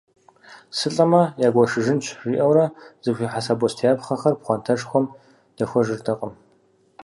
«Сылӏэмэ, ягуэшыжынщ» жиӏэурэ, зэхуихьэса бостеяпхъэхэр пхъуантэшхуэм дэхуэжыртэкъым.